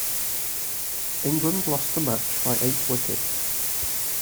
England lost the match by eight wickets.